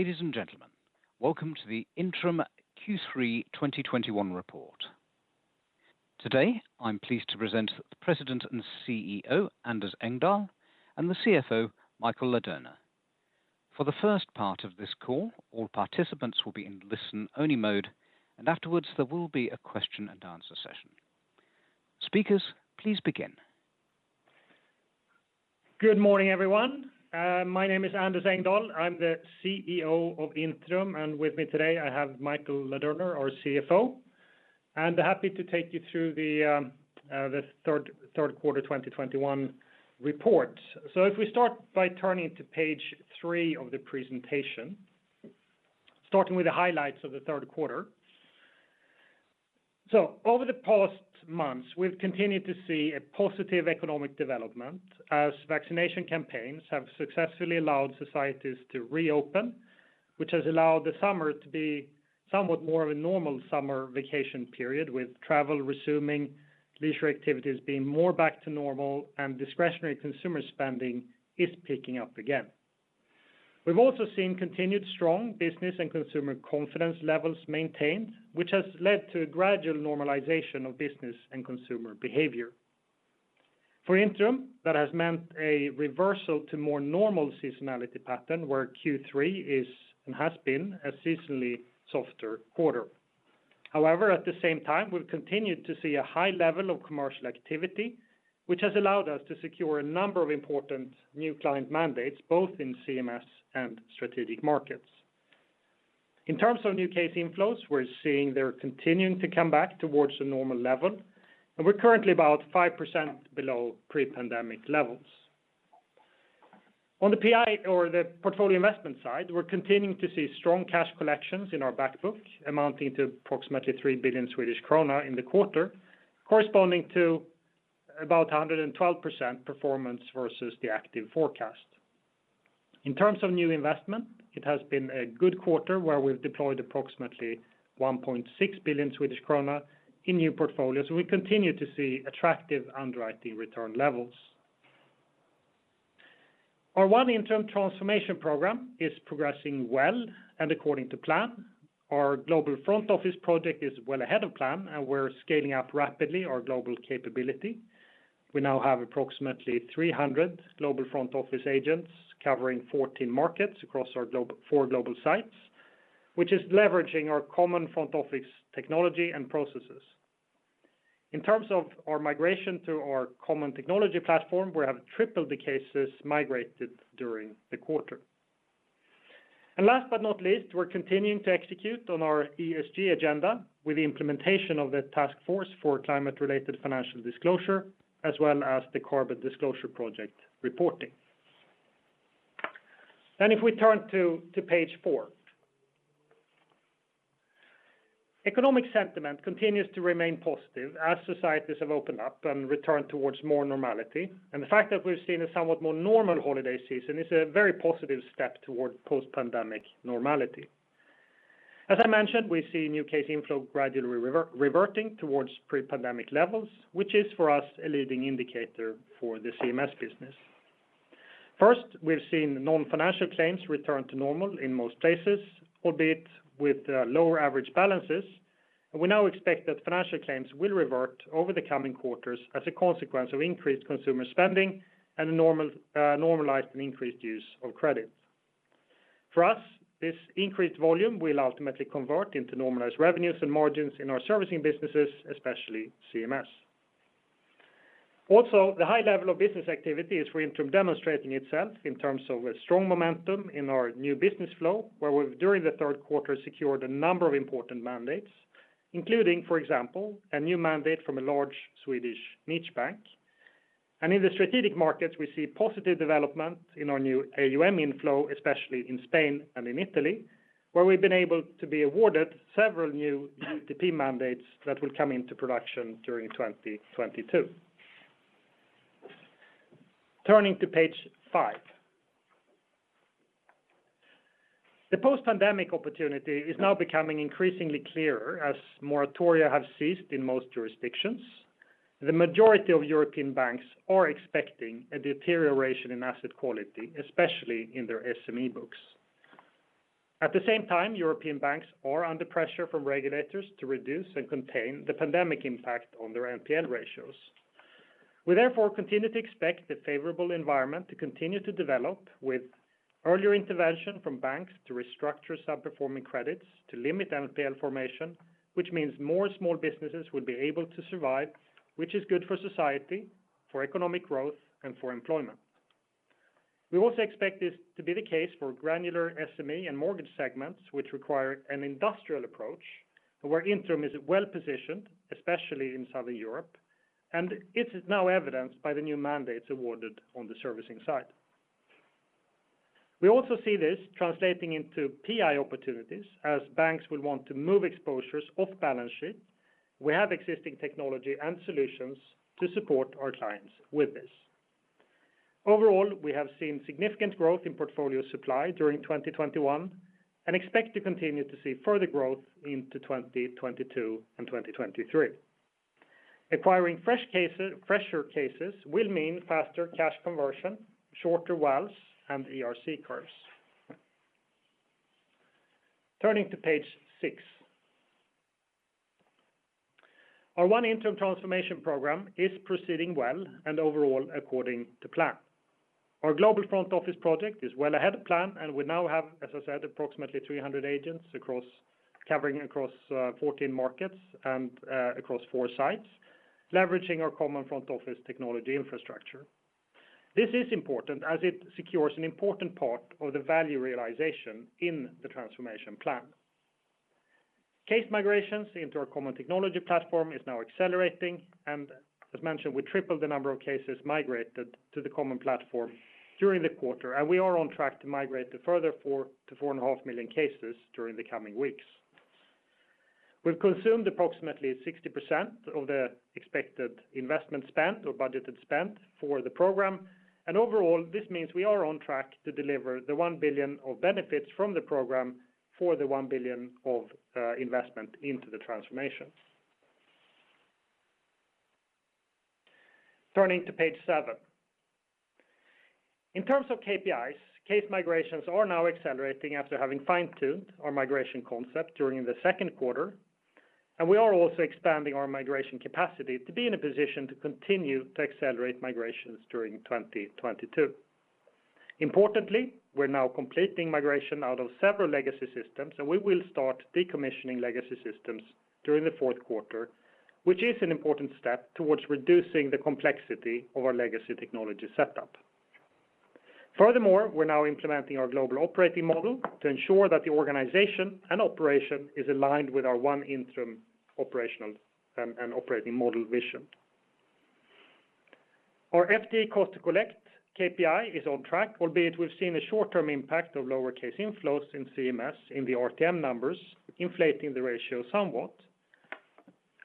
Ladies and gentlemen, welcome to the Intrum Q3 2021 report. Today, I'm pleased to present the President and CEO, Anders Engdahl, and the CFO, Michael Ladurner. For the first part of this call, all participants will be in listen-only mode, and afterwards there will be a question and answer session. Speakers, please begin. Good morning, everyone. My name is Anders Engdahl. I am the CEO of Intrum, and with me today I have Michael Ladurner, our CFO. Happy to take you through the Q3 2021 report. If we start by turning to page three of the presentation, starting with the highlights of the third quarter. Over the past months, we've continued to see a positive economic development as vaccination campaigns have successfully allowed societies to reopen, which has allowed the summer to be somewhat more of a normal summer vacation period, with travel resuming, leisure activities being more back to normal, and discretionary consumer spending is picking up again. We've also seen continued strong business and consumer confidence levels maintained, which has led to a gradual normalization of business and consumer behavior. For Intrum, that has meant a reversal to more normal seasonality pattern where Q3 is and has been a seasonally softer quarter. However, at the same time, we've continued to see a high level of commercial activity, which has allowed us to secure a number of important new client mandates, both in CMS and strategic markets. In terms of new case inflows, we're seeing they're continuing to come back towards the normal level, and we're currently about five percent below pre-pandemic levels. On the PI or the portfolio investment side, we're continuing to see strong cash collections in our back book, amounting to approximately 3 billion Swedish krona in the quarter, corresponding to about 112% performance versus the active forecast. In terms of new investment, it has been a good quarter where we've deployed approximately 1.6 billion Swedish krona in new portfolios, and we continue to see attractive underwriting return levels. Our One Intrum transformation program is progressing well and according to plan. Our global front office project is well ahead of plan, and we're scaling up rapidly our global capability. We now have approximately 300 global front office agents covering 14 markets across our four global sites, which is leveraging our common front office technology and processes. In terms of our migration to our common technology platform, we have tripled the cases migrated during the quarter. Last but not least, we're continuing to execute on our ESG agenda with the implementation of the Task Force on Climate-related Financial Disclosures as well as the Carbon Disclosure Project reporting. If we turn to page four. Economic sentiment continues to remain positive as societies have opened up and returned towards more normality, and the fact that we've seen a somewhat more normal holiday season is a very positive step toward post-pandemic normality. As I mentioned, we see new case inflow gradually reverting towards pre-pandemic levels, which is for us a leading indicator for the CMS business. First, we've seen non-financial claims return to normal in most places, albeit with lower average balances, and we now expect that financial claims will revert over the coming quarters as a consequence of increased consumer spending and a normalized and increased use of credit. For us, this increased volume will ultimately convert into normalized revenues and margins in our servicing businesses, especially CMS. The high level of business activity is for Intrum demonstrating itself in terms of a strong momentum in our new business flow, where we've during the third quarter secured a number of important mandates, including, for example, a new mandate from a large Swedish niche bank. In the strategic markets, we see positive development in our new AUM inflow, especially in Spain and in Italy, where we've been able to be awarded several new UTP mandates that will come into production during 2022. Turning to page five. The post-pandemic opportunity is now becoming increasingly clearer as moratoria have ceased in most jurisdictions. The majority of European banks are expecting a deterioration in asset quality, especially in their SME books. At the same time, European banks are under pressure from regulators to reduce and contain the pandemic impact on their NPL ratios. We therefore continue to expect the favorable environment to continue to develop with earlier intervention from banks to restructure sub-performing credits to limit NPL formation, which means more small businesses would be able to survive, which is good for society, for economic growth, and for employment. We also expect this to be the case for granular SME and mortgage segments, which require an industrial approach and where Intrum is well positioned, especially in Southern Europe, and it is now evidenced by the new mandates awarded on the servicing side. We also see this translating into PI opportunities as banks will want to move exposures off balance sheet. We have existing technology and solutions to support our clients with this. Overall, we have seen significant growth in portfolio supply during 2021 and expect to continue to see further growth into 2022 and 2023. Acquiring fresher cases will mean faster cash conversion, shorter WALS and ERC curves. Turning to page six. Our One Intrum transformation program is proceeding well and overall according to plan. Our global front office project is well ahead of plan, and we now have, as I said, approximately 300 agents covering across 14 markets and across four sites, leveraging our common front office technology infrastructure. This is important as it secures an important part of the value realization in the transformation plan. Case migrations into our common technology platform is now accelerating, and as mentioned, we tripled the number of cases migrated to the common platform during the quarter. We are on track to migrate a further 4 to 4.5 million cases during the coming weeks. We've consumed approximately 60% of the expected investment spent or budgeted spend for the program. Overall, this means we are on track to deliver 1 billion of benefits from the program for 1 billion of investment into the transformation. Turning to page seven. In terms of KPIs, case migrations are now accelerating after having fine-tuned our migration concept during the Q2. We are also expanding our migration capacity to be in a position to continue to accelerate migrations during 2022. Importantly, we're now completing migration out of several legacy systems, and we will start decommissioning legacy systems during the Q4, which is an important step towards reducing the complexity of our legacy technology setup. Furthermore, we're now implementing our global operating model to ensure that the organization and operation is aligned with our ONE Intrum operational and operating model vision. Our FTE cost to collect KPI is on track, albeit we've seen a short-term impact of lower case inflows in CMS in the RTM numbers, inflating the ratio somewhat.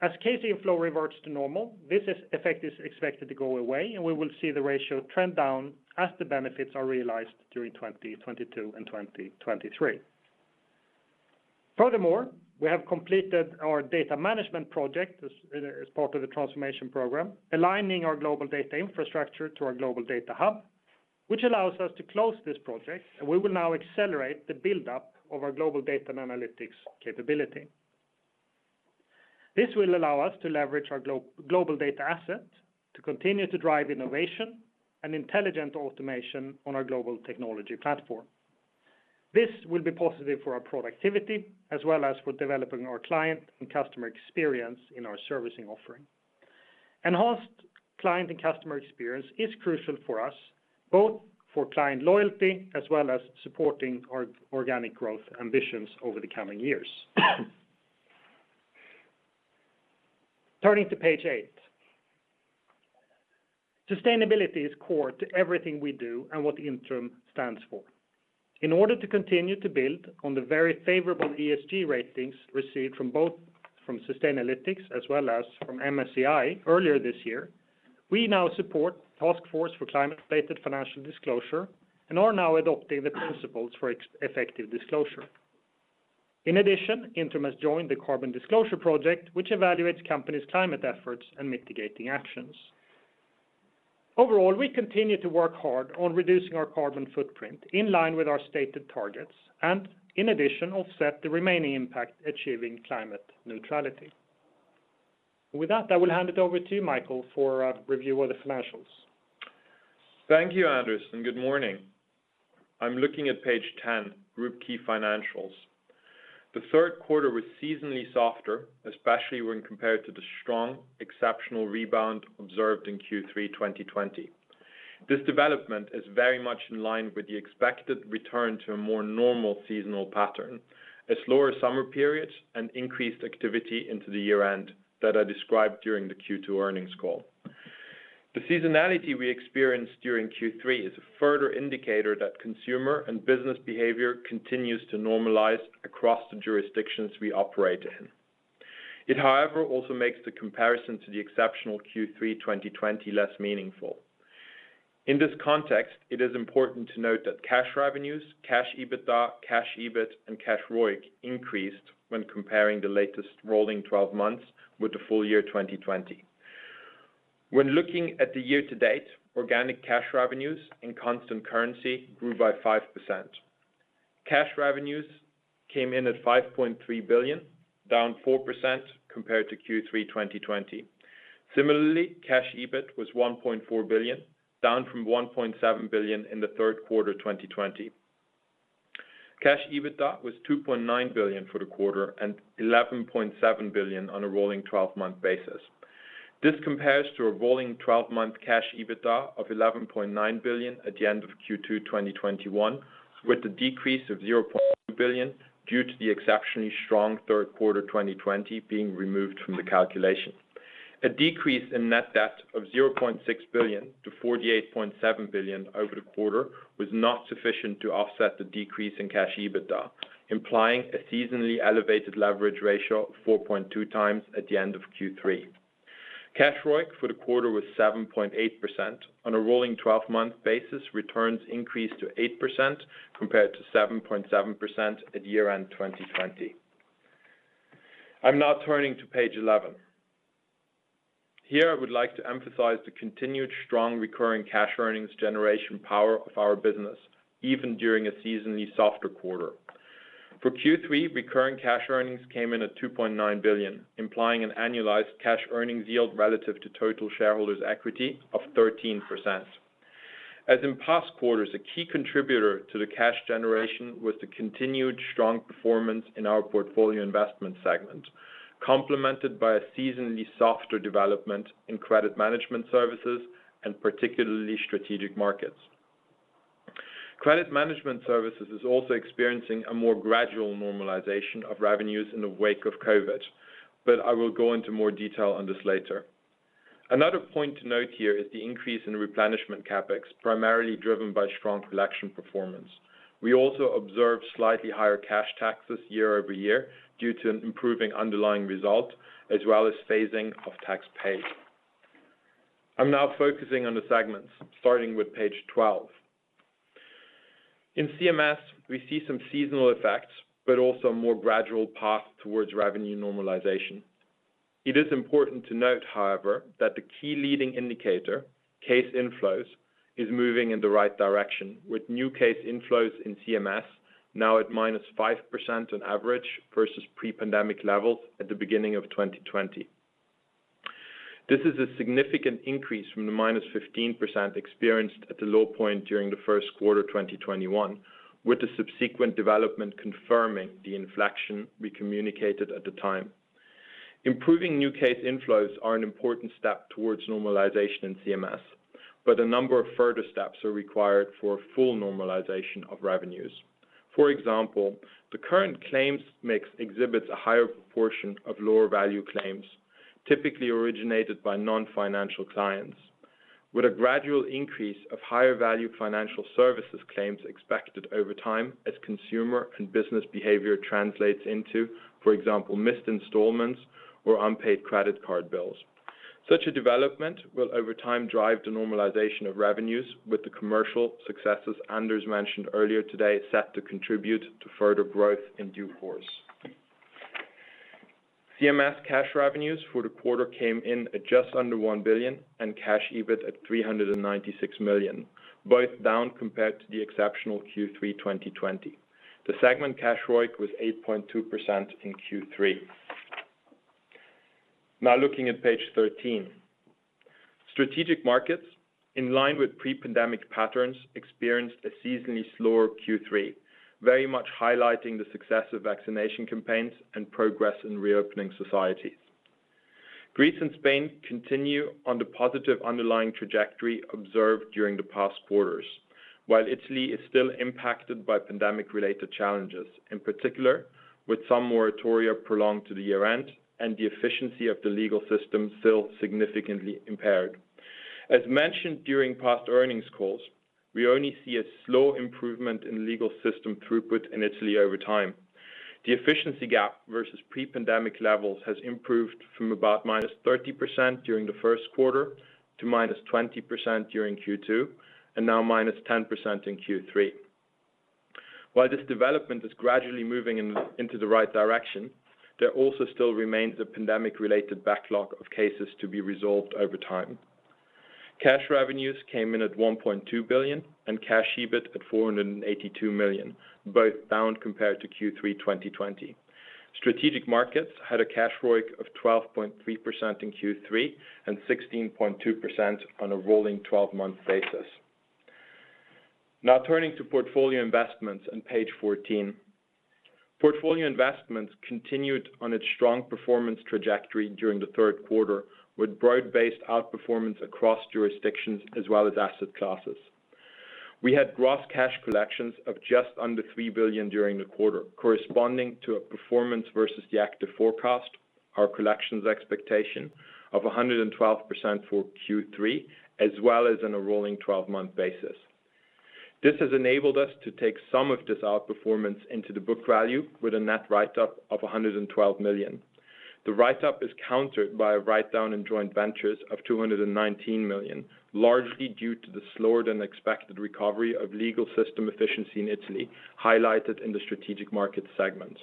As case inflow reverts to normal, this effect is expected to go away, and we will see the ratio trend down as the benefits are realized during 2022 and 2023. Furthermore, we have completed our data management project as part of the transformation program, aligning our global data infrastructure to our global data hub, which allows us to close this project, and we will now accelerate the buildup of our global data and analytics capability. This will allow us to leverage our global data asset to continue to drive innovation and intelligent automation on our global technology platform. This will be positive for our productivity as well as for developing our client and customer experience in our servicing offering. Enhanced client and customer experience is crucial for us, both for client loyalty as well as supporting our organic growth ambitions over the coming years. Turning to page eight. Sustainability is core to everything we do and what Intrum stands for. In order to continue to build on the very favorable ESG ratings received from both from Sustainalytics as well as from MSCI earlier this year, we now support Task Force on Climate-related Financial Disclosures and are now adopting the principles for effective disclosure. In addition, Intrum has joined the Carbon Disclosure Project, which evaluates companies' climate efforts and mitigating actions. Overall, we continue to work hard on reducing our carbon footprint in line with our stated targets and, in addition, offset the remaining impact achieving climate neutrality. With that, I will hand it over to you, Michael, for a review of the financials. Thank you, Anders. Good morning. I'm looking at page 10, group key financials. The Q3 was seasonally softer, especially when compared to the strong, exceptional rebound observed in Q3 2020. This development is very much in line with the expected return to a more normal seasonal pattern. A slower summer period and increased activity into the year-end that I described during the Q2 earnings call. The seasonality we experienced during Q3 is a further indicator that consumer and business behavior continues to normalize across the jurisdictions we operate in. It, however, also makes the comparison to the exceptional Q3 2020 less meaningful. In this context, it is important to note that cash revenues, Cash EBITDA, Cash EBIT, and Cash ROIC increased when comparing the latest rolling 12 months with the full year 2020. When looking at the year to date, organic cash revenues in constant currency grew by five percent. Cash revenues came in at 5.3 billion, down four percent compared to Q3 2020. Similarly, Cash EBIT was 1.4 billion, down from 1.7 billion in the Q3 2020. Cash EBITDA was 2.9 billion for the quarter and 11.7 billion on a rolling 12-month basis. This compares to a rolling 12-month Cash EBITDA of 11.9 billion at the end of Q2 2021, with a decrease of 0.2 billion due to the exceptionally strong Q3 2020 being removed from the calculation. A decrease in net debt of 0.6 billion to 48.7 billion over the quarter was not sufficient to offset the decrease in Cash EBITDA, implying a seasonally elevated leverage ratio of 4.2 times at the end of Q3. Cash ROIC for the quarter was 7.8%. On a rolling 12-month basis, returns increased to eight percent, compared to 7.7% at year-end 2020. I'm now turning to page 11. Here, I would like to emphasize the continued strong recurring cash earnings generation power of our business, even during a seasonally softer quarter. For Q3, recurring cash earnings came in at 2.9 billion, implying an annualized cash earnings yield relative to total shareholders' equity of 13%. As in past quarters, a key contributor to the cash generation was the continued strong performance in our portfolio investment segment, complemented by a seasonally softer development in Credit Management Services, and particularly strategic markets. Credit Management Services is also experiencing a more gradual normalization of revenues in the wake of COVID, but I will go into more detail on this later. Another point to note here is the increase in replenishment CapEx, primarily driven by strong collection performance. We also observed slightly higher cash taxes year-over-year due to an improving underlying result, as well as phasing of tax paid. I'm now focusing on the segments, starting with page 12. In CMS, we see some seasonal effects, but also a more gradual path towards revenue normalization. It is important to note, however, that the key leading indicator, case inflows, is moving in the right direction, with new case inflows in CMS now at - five percent on average versus pre-pandemic levels at the beginning of 2020. This is a significant increase from the -15% experienced at the low point during the first quarter 2021, with the subsequent development confirming the inflection we communicated at the time. Improving new case inflows are an important step towards normalization in CMS, but a number of further steps are required for full normalization of revenues. For example, the current claims mix exhibits a higher proportion of lower value claims, typically originated by non-financial clients. With a gradual increase of higher value financial services claims expected over time as consumer and business behavior translates into, for example, missed installments or unpaid credit card bills. Such a development will over time drive the normalization of revenues with the commercial successes Anders mentioned earlier today set to contribute to further growth in due course. CMS Cash revenues for the quarter came in at just under 1 billion and Cash EBIT at 396 million, both down compared to the exceptional Q3 2020. The segment Cash ROIC was 8.2% in Q3. Now looking at page 13. Strategic markets, in line with pre-pandemic patterns, experienced a seasonally slower Q3, very much highlighting the success of vaccination campaigns and progress in reopening societies. Greece and Spain continue on the positive underlying trajectory observed during the past quarters, while Italy is still impacted by pandemic-related challenges, in particular, with some moratoria prolonged to the year-end and the efficiency of the legal system still significantly impaired. As mentioned during past earnings calls, we only see a slow improvement in legal system throughput in Italy over time. The efficiency gap versus pre-pandemic levels has improved from about -30% during theQ1 to -20% during Q2, and now -10% in Q3. While this development is gradually moving into the right direction, there also still remains a pandemic-related backlog of cases to be resolved over time. Cash revenues came in at 1.2 billion and Cash EBIT at 482 million, both down compared to Q3 2020. Strategic markets had a Cash ROIC of 12.3% in Q3 and 16.2% on a rolling 12-month basis. Turning to portfolio investments on page 14. Portfolio investments continued on its strong performance trajectory during the Q3, with broad-based outperformance across jurisdictions as well as asset classes. We had gross cash collections of just under 3 billion during the quarter, corresponding to a performance versus the active forecast, our collections expectation of 112% for Q3, as well as on a rolling 12-month basis. This has enabled us to take some of this outperformance into the book value with a net write-up of 112 million. The write-up is countered by a write-down in joint ventures of 219 million, largely due to the slower than expected recovery of legal system efficiency in Italy, highlighted in the strategic market segment.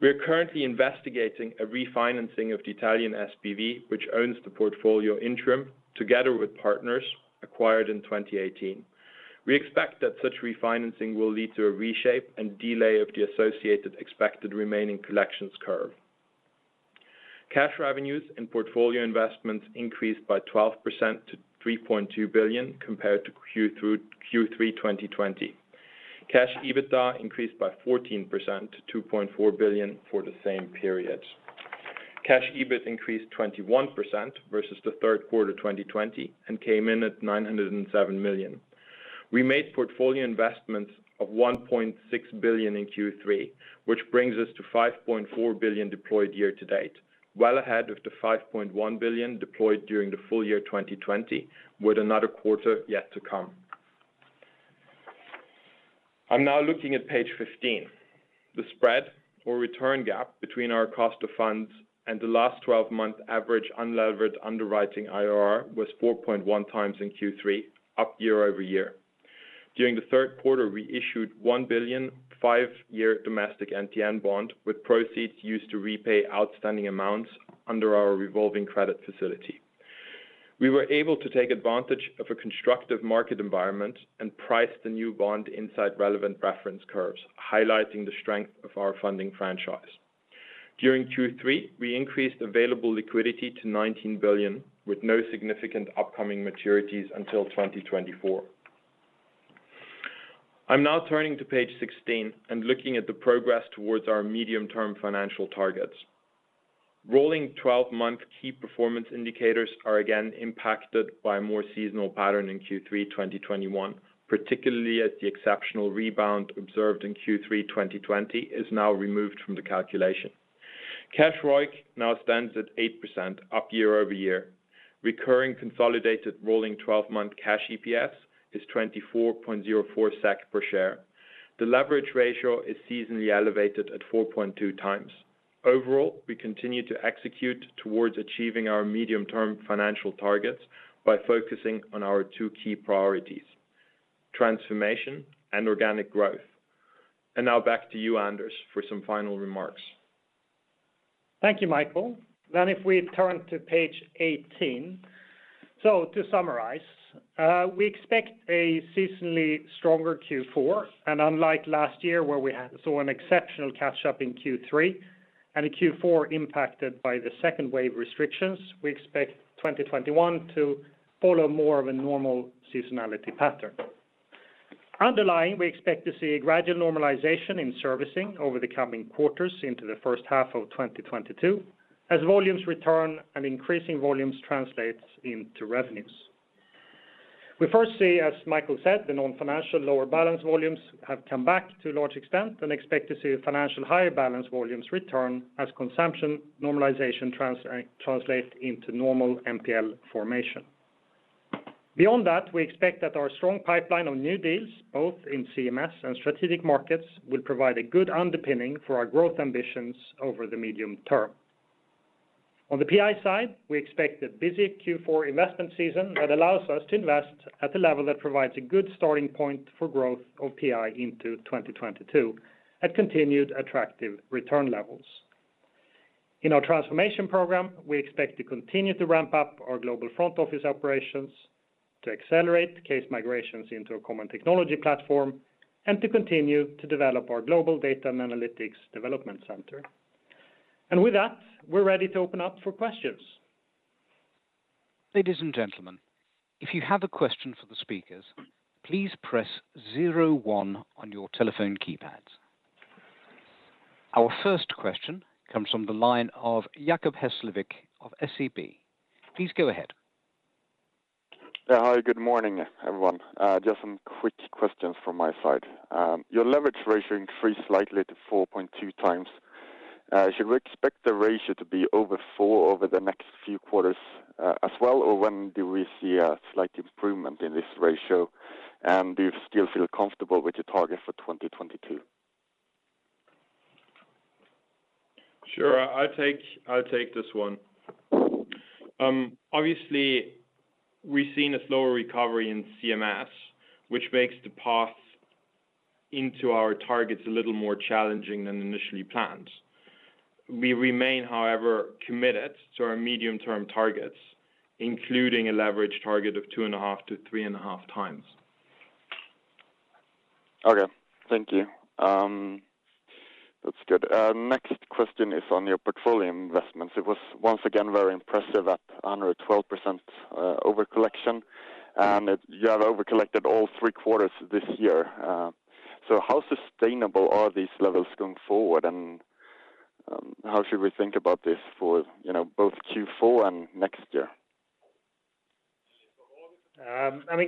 We are currently investigating a refinancing of the Italian SPV, which owns the portfolio Intrum, together with partners acquired in 2018. We expect that such refinancing will lead to a reshape and delay of the associated expected remaining collections curve. Cash revenues and portfolio investments increased by 12% to 3.2 billion compared to Q3 2020. Cash EBITDA increased by 14% to 2.4 billion for the same period. Cash EBIT increased 21% versus the Q3 2020 and came in at 907 million. We made portfolio investments of 1.6 billion in Q3, which brings us to 5.4 billion deployed year to date, well ahead of the 5.1 billion deployed during the full year 2020, with another quarter yet to come. I'm now looking at page 15. The spread or return gap between our cost of funds and the last 12-month average unlevered underwriting IRR was 4.1x in Q3, up year-over-year. During the Q3, we issued a 1 billion five-year domestic NPN bond with proceeds used to repay outstanding amounts under our revolving credit facility. We were able to take advantage of a constructive market environment and price the new bond inside relevant reference curves, highlighting the strength of our funding franchise. During Q3, we increased available liquidity to 19 billion, with no significant upcoming maturities until 2024. I'm now turning to page 16 and looking at the progress towards our medium-term financial targets. Rolling 12-month key performance indicators are again impacted by a more seasonal pattern in Q3 2021, particularly as the exceptional rebound observed in Q3 2020 is now removed from the calculation. Cash ROIC now stands at eight percent up year-over-year. Recurring consolidated rolling 12-month Cash EPS is 24.04 SEK per share. The leverage ratio is seasonally elevated at 4.2x. Overall, we continue to execute towards achieving our medium-term financial targets by focusing on our two key priorities, transformation and organic growth. Now back to you, Anders, for some final remarks. Thank you, Michael. If we turn to page 18. To summarize, we expect a seasonally stronger Q4, and unlike last year where we saw an exceptional catch-up in Q3 and a Q4 impacted by the second wave restrictions, we expect 2021 to follow more of a normal seasonality pattern. Underlying, we expect to see a gradual normalization in servicing over the coming quarters into the first half of 2022 as volumes return and increasing volumes translates into revenues. We first see, as Michael said, the non-financial lower balance volumes have come back to a large extent and expect to see financial higher balance volumes return as consumption normalization translates into normal NPL formation. Beyond that, we expect that our strong pipeline of new deals, both in CMS and strategic markets, will provide a good underpinning for our growth ambitions over the medium term. On the PI side, we expect a busy Q4 investment season that allows us to invest at the level that provides a good starting point for growth of PI into 2022 at continued attractive return levels. In our transformation program, we expect to continue to ramp up our global front office operations to accelerate case migrations into a common technology platform and to continue to develop our global data and analytics development center. With that, we're ready to open up for questions. Ladies and gentlemen, if you have a question for the speakers, please press zero one on your telephone keypads. Our first question comes from the line of Jacob Hesslevik of SEB. Please go ahead. Yeah. Hi, good morning, everyone. Just some quick questions from my side. Your leverage ratio increased slightly to 4.2 times. Should we expect the ratio to be over four over the next few quarters as well, or when do we see a slight improvement in this ratio? Do you still feel comfortable with the target for 2022? Sure. I'll take this one. Obviously, we've seen a slower recovery in CMS, which makes the path into our targets a little more challenging than initially planned. We remain, however, committed to our medium-term targets, including a leverage target of 2.5-3.5x. Okay. Thank you. That's good. Next question is on your portfolio investments. It was once again very impressive at 112% overcollection, and you have overcollected all Q3 this year. How sustainable are these levels going forward, and how should we think about this for both Q4 and next year?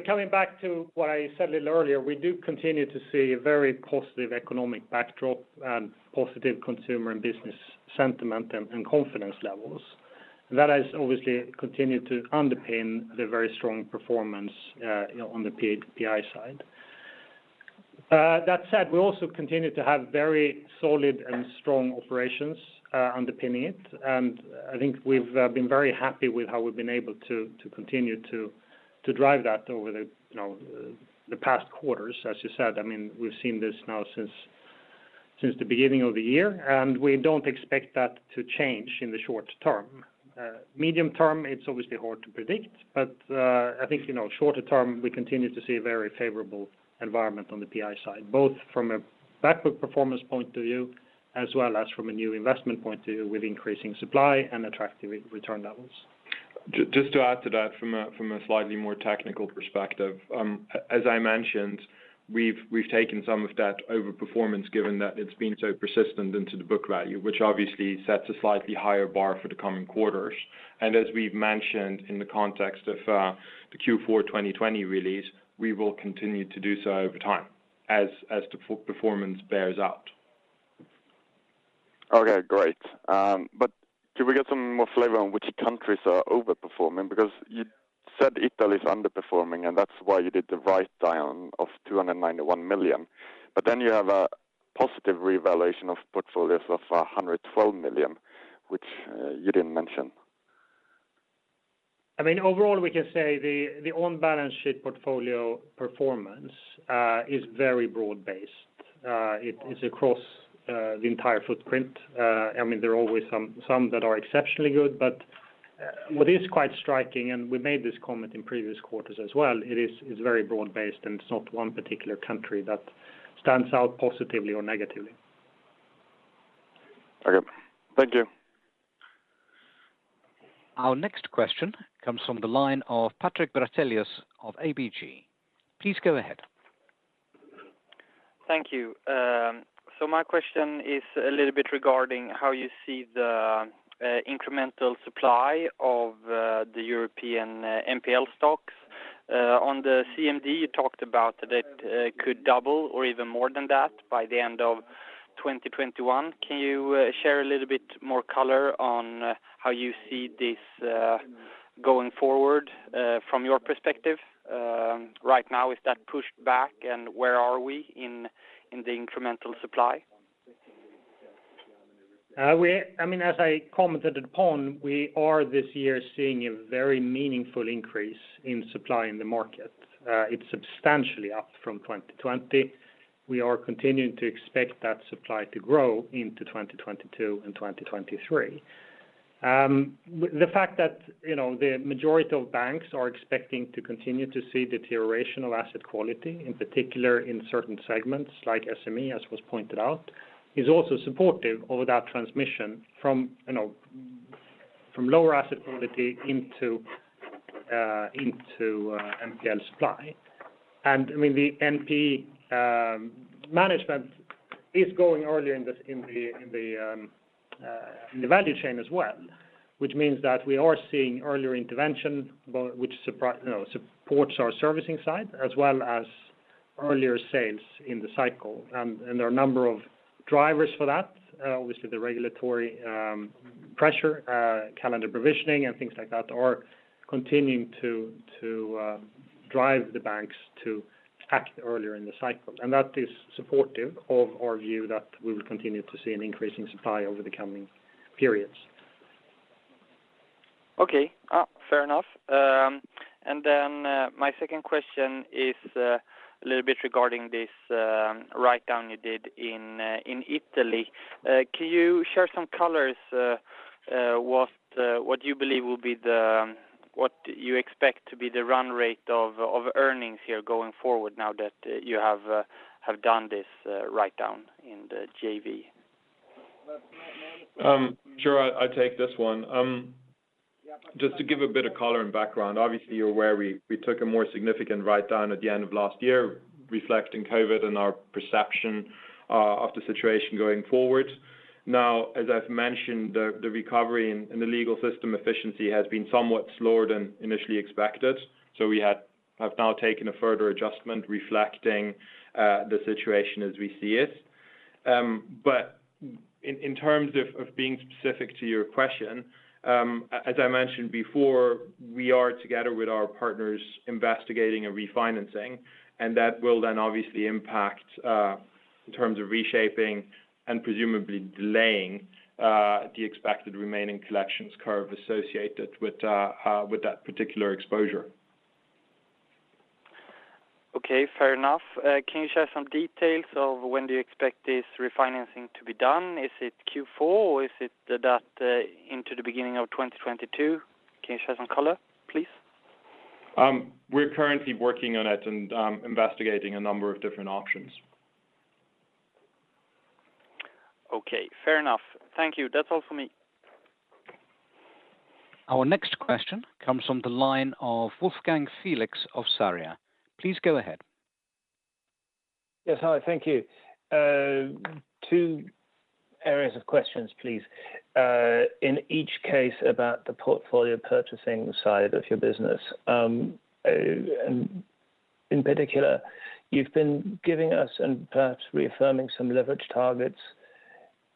Coming back to what I said a little earlier, we do continue to see a very positive economic backdrop and positive consumer and business sentiment and confidence levels. That has obviously continued to underpin the very strong performance on the PI side. That said, we also continue to have very solid and strong operations underpinning it, and I think we've been very happy with how we've been able to continue to drive that over the past quarters. As you said, we've seen this now since the beginning of the year, and we don't expect that to change in the short term. Medium term, it's obviously hard to predict, but I think shorter term, we continue to see a very favorable environment on the PI side, both from a back book performance point of view as well as from a new investment point of view with increasing supply and attractive return levels. Just to add to that from a slightly more technical perspective. As I mentioned, we've taken some of that overperformance, given that it's been so persistent into the book value, which obviously sets a slightly higher bar for the coming quarters. As we've mentioned in the context of the Q4 2020 release, we will continue to do so over time as the performance bears out. Okay, great. Could we get some more flavor on which countries are overperforming? You said Italy is underperforming, and that's why you did the write-down of 291 million. You have a positive revaluation of portfolios of 112 million, which you didn't mention. Overall, we can say the on-balance sheet portfolio performance is very broad-based. It is across the entire footprint. There are always some that are exceptionally good, but what is quite striking, and we made this comment in previous quarters as well, it is very broad-based, and it's not one particular country that stands out positively or negatively. Okay. Thank you. Our next question comes from the line of Patrik Brattelius of ABG. Please go ahead. Thank you. My question is a little bit regarding how you see the incremental supply of the European NPL stocks. On the CMD, you talked about that could double or even more than that by the end of 2021. Can you share a little bit more color on how you see this going forward from your perspective? Right now, is that pushed back, and where are we in the incremental supply? As I commented upon, we are this year seeing a very meaningful increase in supply in the market. It's substantially up from 2020. We are continuing to expect that supply to grow into 2022 and 2023. The fact that the majority of banks are expecting to continue to see deterioration of asset quality, in particular in certain segments like SME, as was pointed out, is also supportive of that transmission from lower asset quality into NPL supply. The NPL management is going earlier in the value chain as well, which means that we are seeing earlier intervention, which supports our servicing side as well as earlier sales in the cycle. There are a number of drivers for that. Obviously, the regulatory pressure, calendar provisioning and things like that are continuing to drive the banks to act earlier in the cycle. That is supportive of our view that we will continue to see an increase in supply over the coming periods. Okay. Fair enough. My second question is a little bit regarding this write-down you did in Italy. Can you share some color what you expect to be the run rate of earnings here going forward now that you have done this write-down in the JV? Sure. I'll take this one. Just to give a bit of color and background, obviously, you're aware we took a more significant write-down at the end of last year reflecting COVID and our perception of the situation going forward. As I've mentioned, the recovery in the legal system efficiency has been somewhat slower than initially expected, so we have now taken a further adjustment reflecting the situation as we see it. In terms of being specific to your question, as I mentioned before, we are together with our partners investigating a refinancing, and that will then obviously impact in terms of reshaping and presumably delaying the expected remaining collections curve associated with that particular exposure. Okay. Fair enough. Can you share some details of when do you expect this refinancing to be done? Is it Q4 or is it into the beginning of 2022? Can you share some color, please? We're currently working on it and investigating a number of different options. Okay. Fair enough. Thank you. That's all for me. Our next question comes from the line of Wolfgang Felix of Sarria. Please go ahead. Yes. Hi. Thank you. Two areas of questions, please. In each case about the portfolio purchasing side of your business. In particular, you've been giving us and perhaps reaffirming some leverage targets.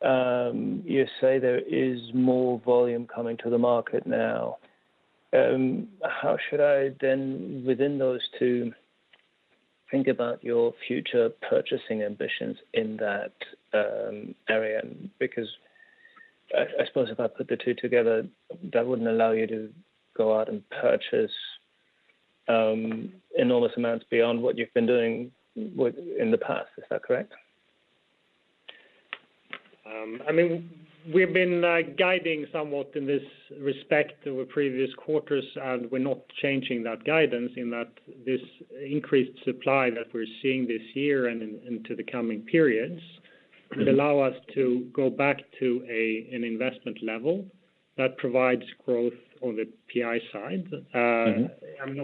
You say there is more volume coming to the market now. How should I then within those two think about your future purchasing ambitions in that area? I suppose if I put the two together, that wouldn't allow you to go out and purchase enormous amounts beyond what you've been doing in the past. Is that correct? We've been guiding somewhat in this respect over previous quarters, and we're not changing that guidance in that this increased supply that we're seeing this year and into the coming periods will allow us to go back to an investment level that provides growth on the PI side. I'm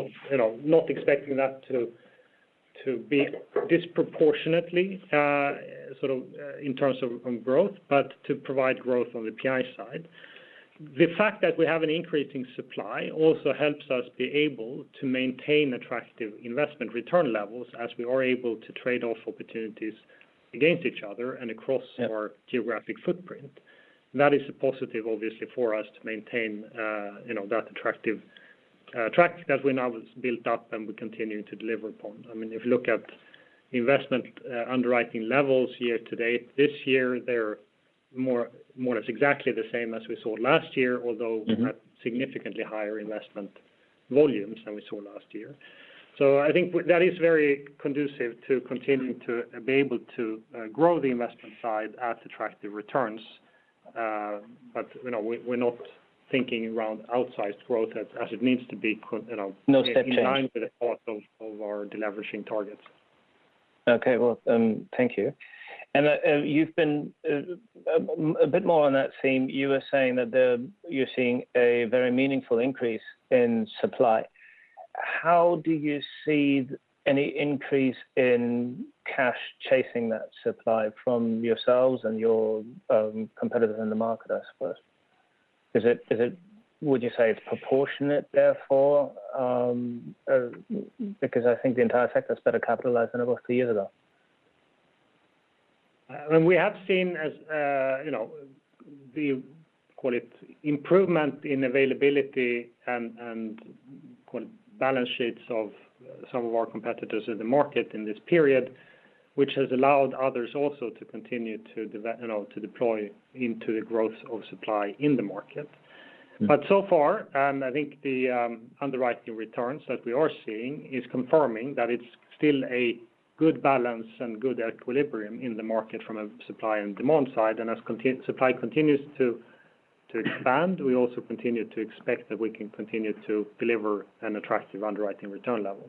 not expecting that to be disproportionately in terms of growth, but to provide growth on the PI side. The fact that we have an increasing supply also helps us be able to maintain attractive investment return levels as we are able to trade off opportunities against each other and across our geographic footprint. That is a positive, obviously, for us to maintain that attractive track that we now have built up and we continue to deliver upon. If you look at investment underwriting levels year-to-date this year, they're more or less exactly the same as we saw last year, although we had significantly higher investment volumes than we saw last year. I think that is very conducive to continuing to be able to grow the investment side at attractive returns. We're not thinking around outsized growth. No step change. in line with our deleveraging targets. Okay. Well, thank you. A bit more on that theme, you were saying that you're seeing a very meaningful increase in supply. How do you see any increase in cash chasing that supply from yourselves and your competitors in the market, I suppose? Would you say it's proportionate therefore? I think the entire sector is better capitalized than it was two years ago. We have seen, call it improvement in availability and call it balance sheets of some of our competitors in the market in this period, which has allowed others also to continue to deploy into the growth of supply in the market. So far, I think the underwriting returns that we are seeing is confirming that it's still a good balance and good equilibrium in the market from a supply and demand side. As supply continues to expand, we also continue to expect that we can continue to deliver an attractive underwriting return level.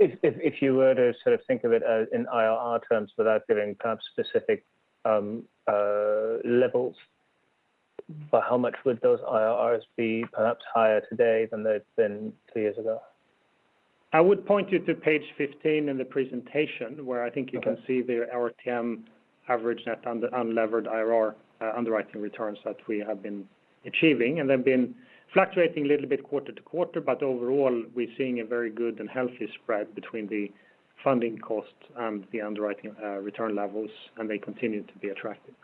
If you were to think of it in IRR terms without giving specific levels, by how much would those IRRs be perhaps higher today than they've been two years ago? I would point you to page 15 in the presentation where I think you can see. Okay the RTM average net unlevered IRR, underwriting returns that we have been achieving, and they've been fluctuating a little bit quarter to quarter, but overall, we're seeing a very good and healthy spread between the funding cost and the underwriting return levels, and they continue to be attractive.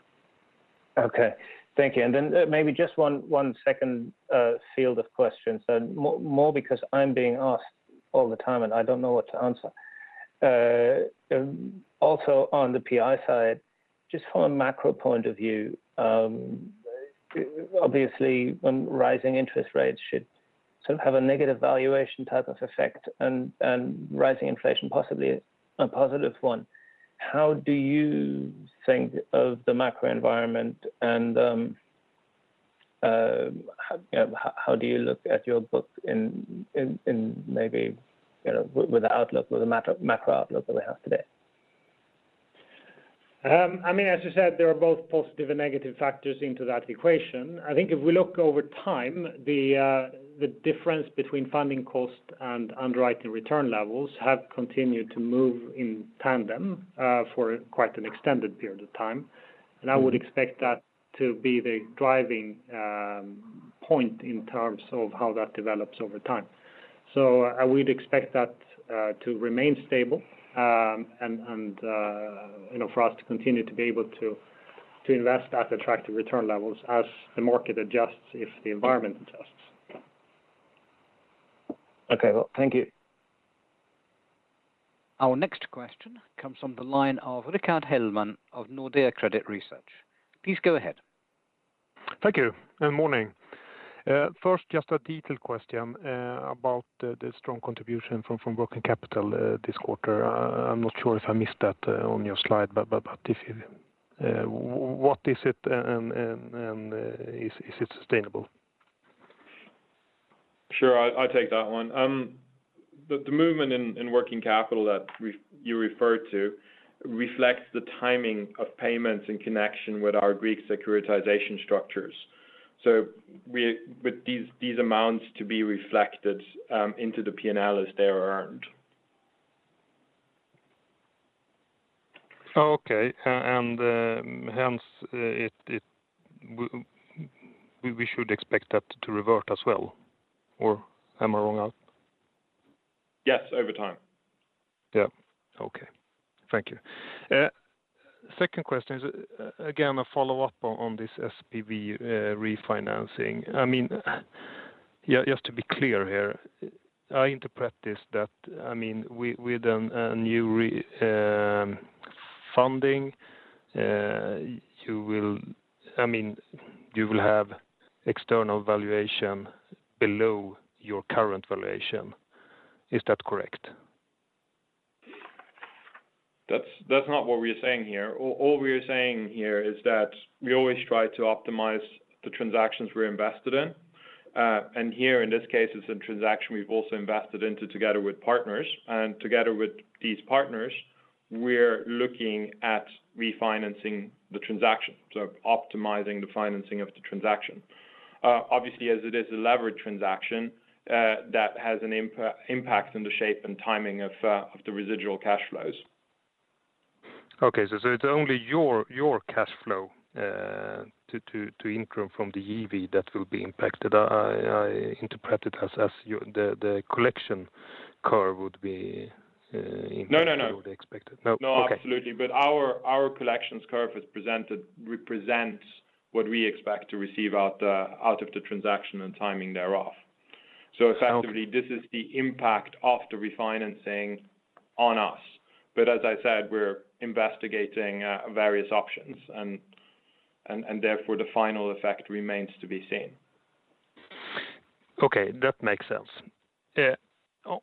Okay. Thank you. Then maybe just one second field of questions, and more because I'm being asked all the time, and I don't know what to answer. Also on the PI side, just from a macro point of view, obviously, rising interest rates should have a negative valuation type of effect and rising inflation, possibly a positive one. How do you think of the macro environment, and how do you look at your book with the macro outlook that we have today? As you said, there are both positive and negative factors into that equation. I think if we look over time, the difference between funding cost and underwriting return levels have continued to move in tandem for quite an extended period of time. I would expect that to be the driving point in terms of how that develops over time. I would expect that to remain stable, and for us to continue to be able to invest at attractive return levels as the market adjusts if the environment adjusts. Okay. Well, thank you. Our next question comes from the line of Rickard Hellman of Nordea Credit Research. Please go ahead. Thank you, and morning. First, just a detailed question about the strong contribution from working capital this quarter. I'm not sure if I missed that on your slide, but what is it, and is it sustainable? Sure. I'll take that one. The movement in working capital that you referred to reflects the timing of payments in connection with our Greek securitization structures. With these amounts to be reflected into the P&L as they are earned. Okay. Hence, we should expect that to revert as well, or am I wrong? Yes, over time. Yeah. Okay. Thank you. Second question is, again, a follow-up on this SPV refinancing. Just to be clear here, I interpret this that with a new funding, you will have external valuation below your current valuation. Is that correct? That's not what we are saying here. All we are saying here is that we always try to optimize the transactions we're invested in. Here, in this case, it's a transaction we've also invested into together with partners. Together with these partners, we're looking at refinancing the transaction, so optimizing the financing of the transaction. Obviously, as it is a leverage transaction, that has an impact on the shape and timing of the residual cash flows. Okay. It's only your cash flow to Intrum from the EV that will be impacted. I interpret it as the collection curve would be. No as you would expect it. No? Okay. No, absolutely. Our collections curve represents what we expect to receive out of the transaction and timing thereof. Effectively, this is the impact of the refinancing on us. As I said, we're investigating various options and therefore the final effect remains to be seen. Okay, that makes sense.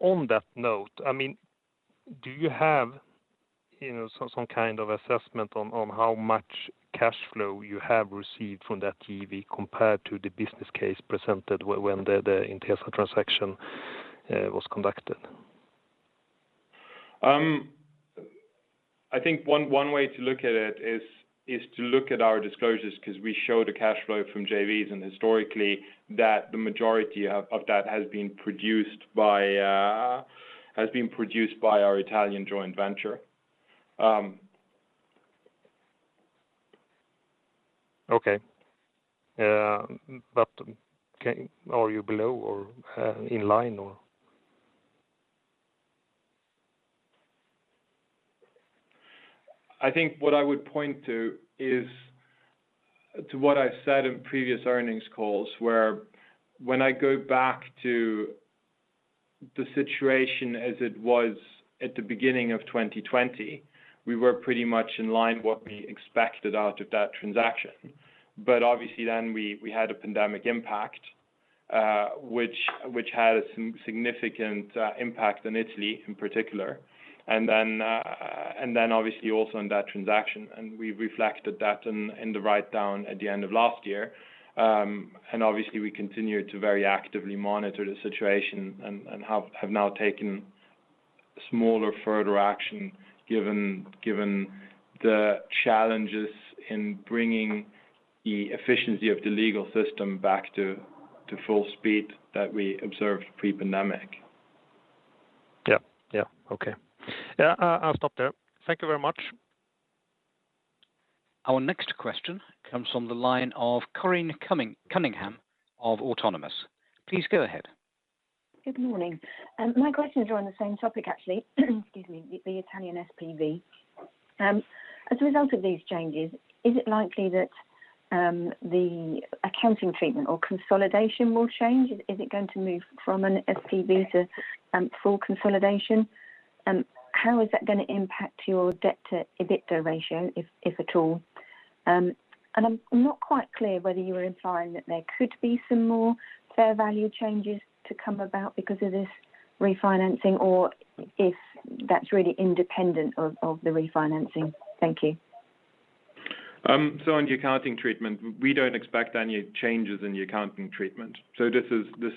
On that note, do you have some kind of assessment on how much cash flow you have received from that JV compared to the business case presented when the Intesa transaction was conducted? I think one way to look at it is to look at our disclosures because we show the cash flow from JVs and historically that the majority of that has been produced by our Italian joint venture. Okay. Are you below or in line or? I think what I would point to is to what I've said in previous earnings calls, where when I go back to the situation as it was at the beginning of 2020, we were pretty much in line what we expected out of that transaction. Obviously then we had a pandemic impact, which had a significant impact on Italy in particular. Then obviously also on that transaction, we reflected that in the write-down at the end of last year. Obviously we continued to very actively monitor the situation and have now taken smaller further action given the challenges in bringing the efficiency of the legal system back to full speed that we observed pre-pandemic. Yeah. Okay. I'll stop there. Thank you very much. Our next question comes from the line of Corinne Cunningham of Autonomous. Please go ahead. Good morning. My question is around the same topic, actually. Excuse me. The Italian SPV. As a result of these changes, is it likely that the accounting treatment or consolidation will change? Is it going to move from an SPV to full consolidation? How is that going to impact your debt to EBITDA ratio, if at all? I'm not quite clear whether you were implying that there could be some more fair value changes to come about because of this refinancing or if that's really independent of the refinancing. Thank you. On the accounting treatment, we don't expect any changes in the accounting treatment. This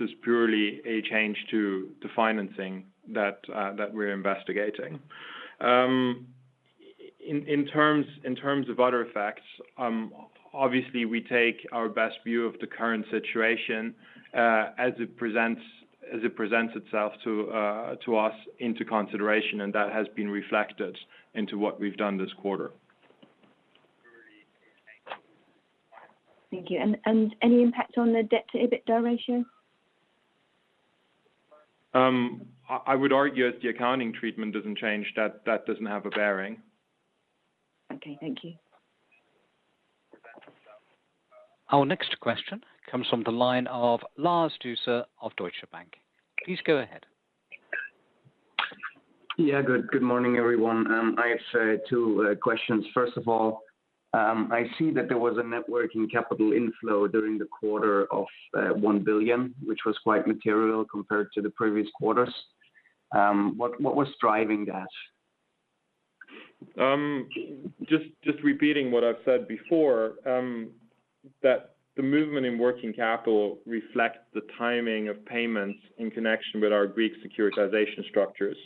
is purely a change to financing that we're investigating. In terms of other effects, obviously we take our best view of the current situation, as it presents itself to us into consideration, and that has been reflected into what we've done this quarter. Thank you. Any impact on the debt to EBITDA ratio? I would argue if the accounting treatment doesn't change, that doesn't have a bearing. Okay. Thank you. Our next question comes from the line of Lars Dueser of Deutsche Bank. Please go ahead. Yeah. Good morning, everyone. I have two questions. First of all, I see that there was a net working capital inflow during the quarter of 1 billion, which was quite material compared to the previous quarters. What was driving that? Just repeating what I've said before, that the movement in working capital reflects the timing of payments in connection with our Greek securitization structures,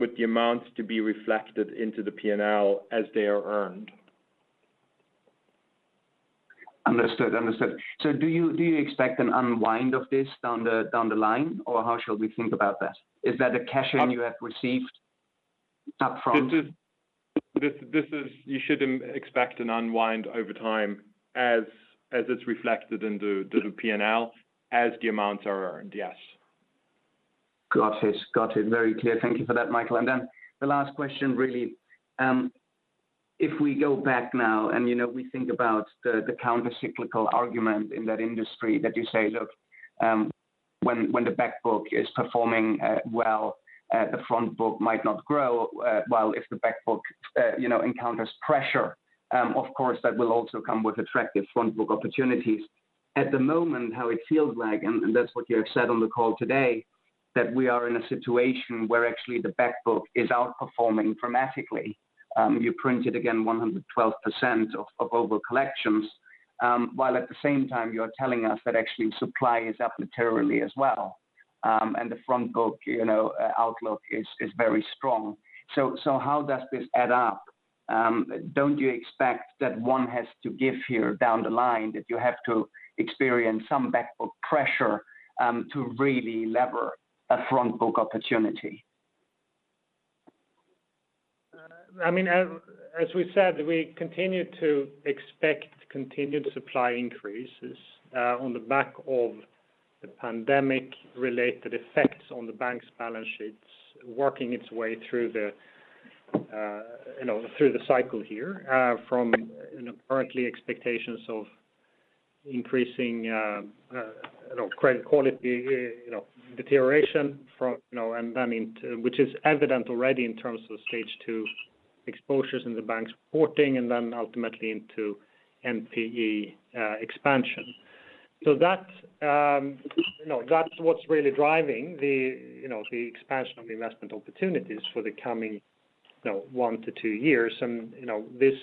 with the amounts to be reflected into the P&L as they are earned. Understood. Do you expect an unwind of this down the line, or how should we think about that? Is that a cash stream you have received up front? You should expect an unwind over time as it's reflected in the P&L as the amounts are earned, yes. Got it. Very clear. Thank you for that, Michael. Then the last question, really, if we go back now and we think about the countercyclical argument in that industry that you say, look, when the back book is performing well, the front book might not grow, while if the back book encounters pressure, of course that will also come with attractive front book opportunities. At the moment, how it feels like, and that's what you have said on the call today, that we are in a situation where actually the back book is outperforming dramatically. You printed again 112% of over collections, while at the same time you're telling us that actually supply is up materially as well. The front book outlook is very strong. How does this add up? Don't you expect that one has to give here down the line, that you have to experience some back book pressure to really lever a front book opportunity? As we said, we continue to expect continued supply increases on the back of the pandemic-related effects on the bank's balance sheets working its way through the. through the cycle here from currently expectations of increasing credit quality deterioration which is evident already in terms of stage two exposures in the banks reporting, and then ultimately into NPE expansion. That's what's really driving the expansion of the investment opportunities for the coming one - two years. This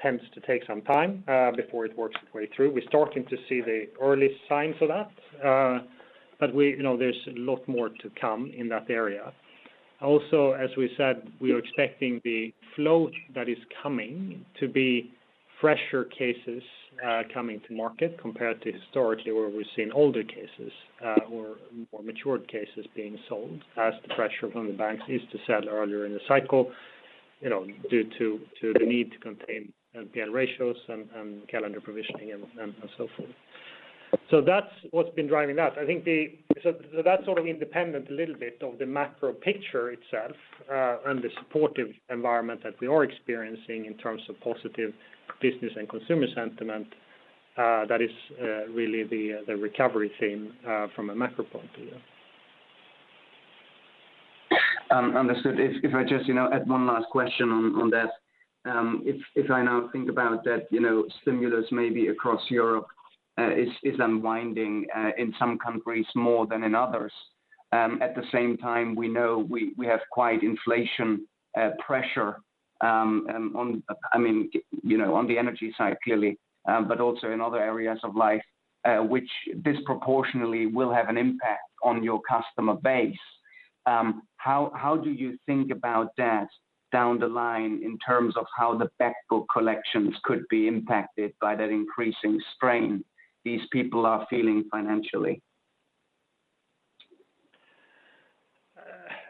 tends to take some time before it works its way through. We're starting to see the early signs of that. There's a lot more to come in that area. Also, as we said, we are expecting the flow that is coming to be fresher cases coming to market compared to historically where we've seen older cases or more matured cases being sold as the pressure on the banks is to sell earlier in the cycle due to the need to contain NPL ratios and calendar provisioning and so forth. That's what's been driving that. That's independent a little bit of the macro picture itself, and the supportive environment that we are experiencing in terms of positive business and consumer sentiment. That is really the recovery theme from a macro point of view. Understood. If I just add one last question on that. If I now think about that stimulus may be across Europe is unwinding in some countries more than in others. At the same time, we know we have quite inflation pressure on the energy side clearly, but also in other areas of life which disproportionately will have an impact on your customer base. How do you think about that down the line in terms of how the back book collections could be impacted by that increasing strain these people are feeling financially?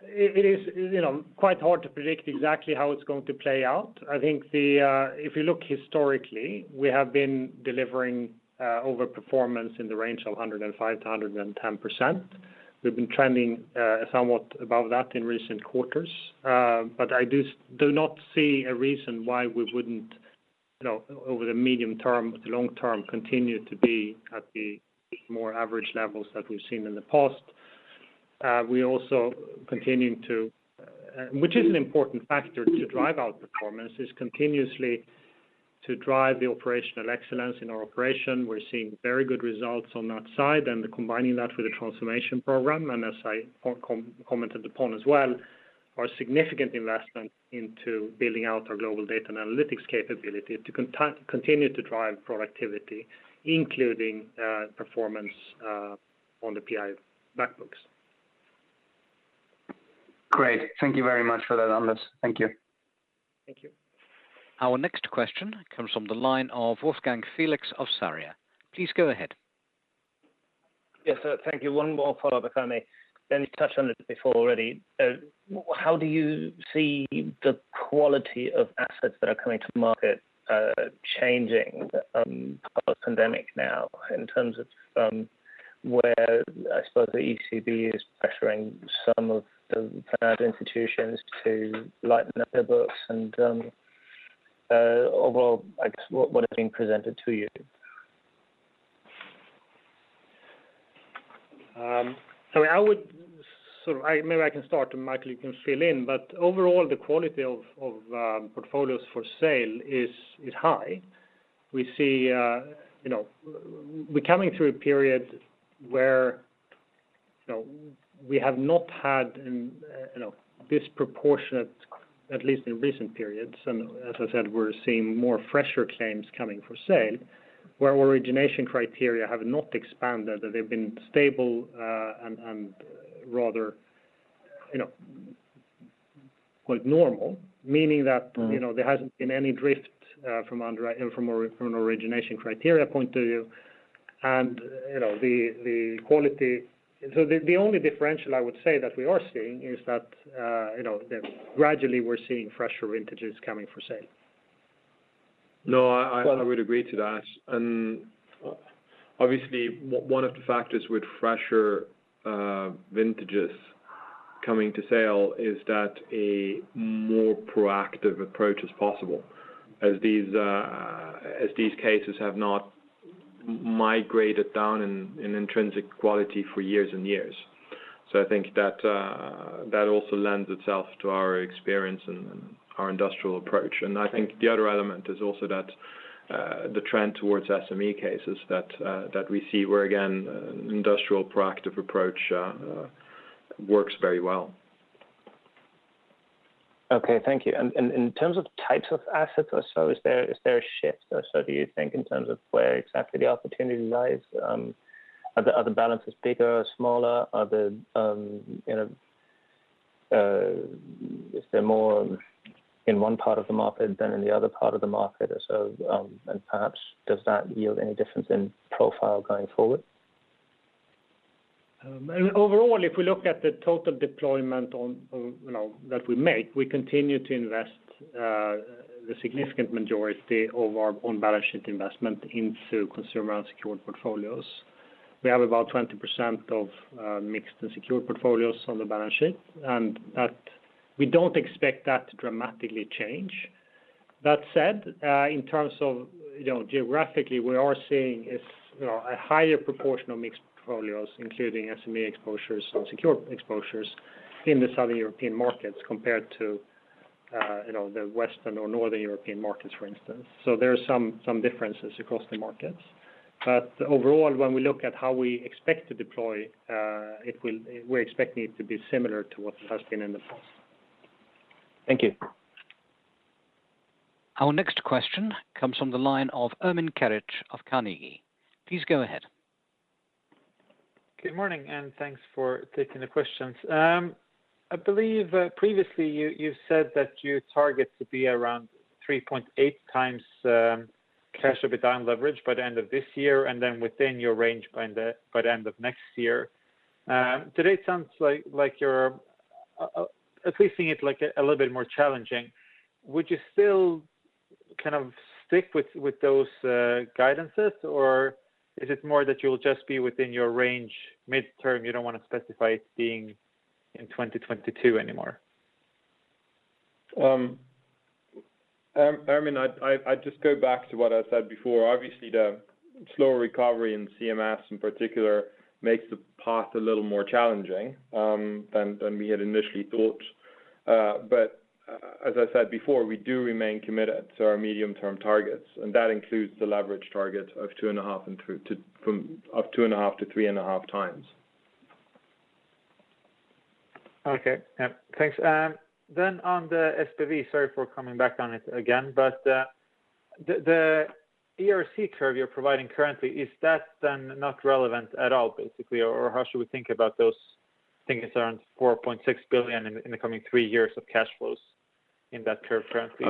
It is quite hard to predict exactly how it's going to play out. I think if you look historically, we have been delivering over performance in the range of 105%-110%. We've been trending somewhat above that in recent quarters. I do not see a reason why we wouldn't over the medium term, the long term continue to be at the more average levels that we've seen in the past. Which is an important factor to drive our performance is continuously to drive the operational excellence in our operation. We're seeing very good results on that side and combining that with the transformation program, and as I commented upon as well, our significant investment into building out our global data and analytics capability to continue to drive productivity, including performance on the PI back books. Great. Thank you very much for that, Anders. Thank you. Thank you. Our next question comes from the line of Wolfgang Felix of Sarria. Please go ahead. Yes, sir. Thank you. One more follow-up if I may. You touched on it before already. How do you see the quality of assets that are coming to market changing post pandemic now in terms of where, I suppose the ECB is pressuring some of the institutions to lighten up their books and overall, I guess what is being presented to you? Maybe I can start and Michael, you can fill in. Overall, the quality of portfolios for sale is high. We're coming through a period where we have not had disproportionate, at least in recent periods. As I said, we're seeing more fresher claims coming for sale, where origination criteria have not expanded. They've been stable and rather quite normal, meaning that there hasn't been any drift from an origination criteria point of view and the quality. The only differential I would say that we are seeing is that gradually we're seeing fresher vintages coming for sale. No, I would agree to that. Obviously one of the factors with fresher vintages coming to sale is that a more proactive approach is possible as these cases have not migrated down in intrinsic quality for years and years. I think that also lends itself to our experience and our industrial approach. I think the other element is also that the trend towards SME cases that we see where again, industrial proactive approach works very well. Okay, thank you. In terms of types of assets or so, is there a shift or so do you think in terms of where exactly the opportunity lies? Are the balances bigger or smaller? Is there more in one part of the market than in the other part of the market or so? Perhaps does that yield any difference in profile going forward? Overall, if we look at the total deployment that we make, we continue to invest the significant majority of our own balance sheet investment into consumer unsecured portfolios. We have about 20% of mixed and secured portfolios on the balance sheet, and we don't expect that to dramatically change. That said, in terms of geographically, we are seeing a higher proportion of mixed portfolios, including SME exposures and secured exposures in the Southern European markets compared to the Western or Northern European markets, for instance. There are some differences across the markets. Overall, when we look at how we expect to deploy, we're expecting it to be similar to what it has been in the past. Thank you. Our next question comes from the line of Ermin Keric of Carnegie. Please go ahead. Good morning, and thanks for taking the questions. I believe previously you said that your target to be around 3.8x Cash EBITDA on leverage by the end of this year, and then within your range by the end of next year. Today it sounds like you're at least seeing it a little bit more challenging. Would you still stick with those guidances, or is it more that you'll just be within your range midterm, you don't want to specify it being in 2022 anymore? Ermin, I'd just go back to what I said before. Obviously, the slower recovery in CMS in particular makes the path a little more challenging than we had initially thought. As I said before, we do remain committed to our medium-term targets, and that includes the leverage target of two and a half to three and a half times. Okay. Yeah. Thanks. On the SPV, sorry for coming back on it again, the ERC curve you're providing currently, is that then not relevant at all, basically? How should we think about those things around 4.6 billion in the coming three years of cash flows in that curve currently?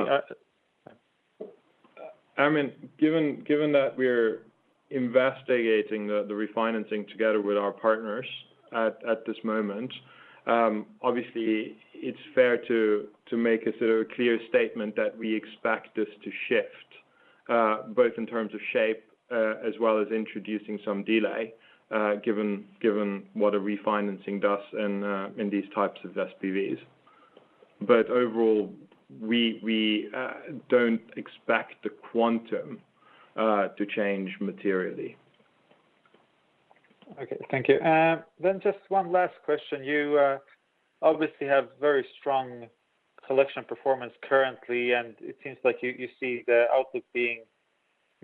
Ermin, given that we're investigating the refinancing together with our partners at this moment, obviously it's fair to make a clear statement that we expect this to shift both in terms of shape as well as introducing some delay given what a refinancing does in these types of SPVs. Overall, we don't expect the quantum to change materially. Okay. Thank you. Just one last question. You obviously have very strong collection performance currently, and it seems like you see the outlook being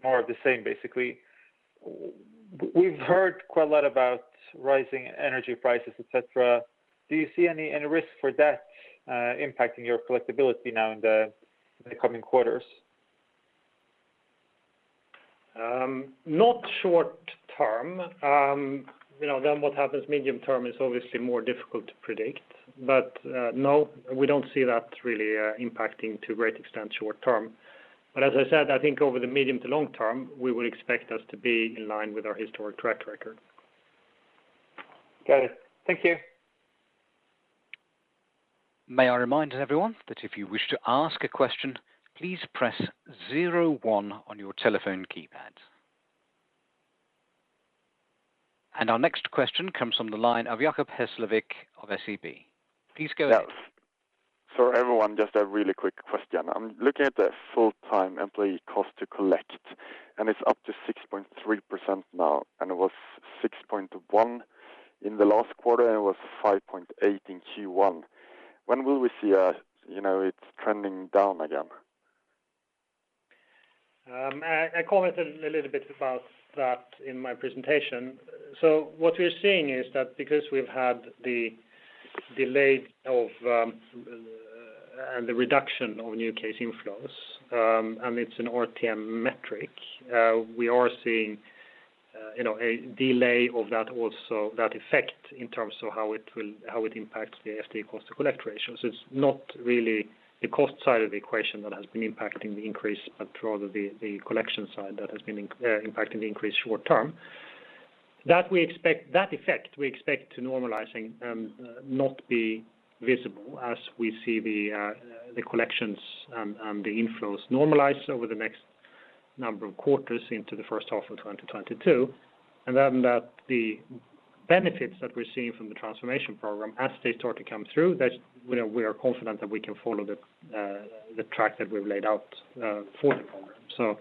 more of the same, basically. We've heard quite a lot about rising energy prices, et cetera. Do you see any risk for that impacting your collectibility now in the coming quarters? Not short term. What happens medium term is obviously more difficult to predict. No, we don't see that really impacting to great extent short term. As I said, I think over the medium to long term, we will expect us to be in line with our historic track record. Got it. Thank you. May I remind everyone that if you wish to ask a question, please press zero one on your telephone keypad. Our next question comes from the line of Jacob Hesslevik of SEB. Please go ahead. Yes. For everyone, just a really quick question. I'm looking at the full-time employee cost to collect, and it's up to 6.3% now, and it was 6.1% in the last quarter, and it was 5.8% in Q1. When will we see it trending down again? I commented a little bit about that in my presentation. What we're seeing is that because we've had the delay of the reduction of new case inflows, and it's an RTM metric we are seeing a delay of that effect in terms of how it impacts the FTE cost to collect ratios. It's not really the cost side of the equation that has been impacting the increase, but rather the collection side that has been impacting the increase short term. That effect we expect to normalize not be visible as we see the collections and the inflows normalize over the next number of quarters into the first half of 2022. That the benefits that we're seeing from the transformation program as they start to come through, we are confident that we can follow the track that we've laid out for the program.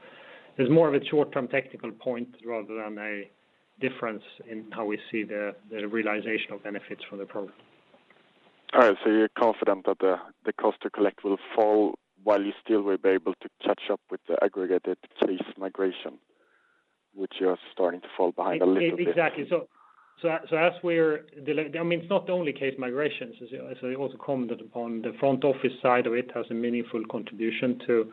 There's more of a short-term tactical point rather than a difference in how we see the realizational benefits from the program. All right. You're confident that the cost to collect will fall while you still will be able to catch up with the aggregated case migration, which you are starting to fall behind a little bit. Exactly. It's not only case migrations, as I also commented upon the front office side of it has a meaningful contribution to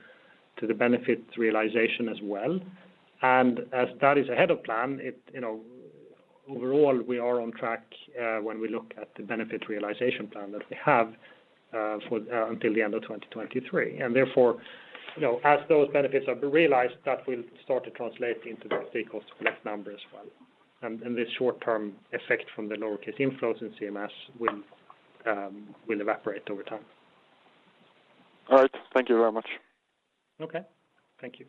the benefit realization as well. As that is ahead of plan, overall we are on track when we look at the benefit realization plan that we have until the end of 2023. Therefore, as those benefits are realized, that will start to translate into the cost to collect number as well. The short-term effect from the lower case inflows in CMS will evaporate over time. All right. Thank you very much. Okay. Thank you.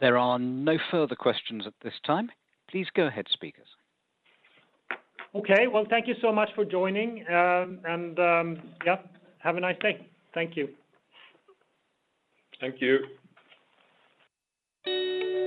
There are no further questions at this time. Please go ahead, speakers. Okay. Well, thank you so much for joining. Have a nice day. Thank you. Thank you.